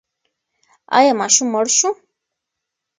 ایا ماشوم مړ شو؟